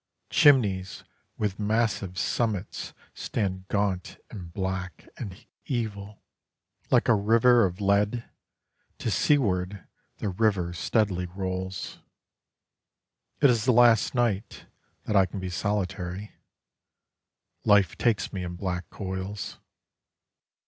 Chimneys with massive summits Stand gaunt and black and evil: Like a river of lead, to seaward The river steadily rolls. It is the last night that I can be solitary: Life takes me in black coils.